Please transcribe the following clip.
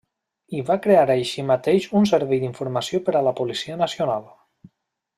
I va crear així mateix un servei d'informació per a la Policia Nacional.